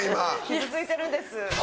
傷ついてるんです。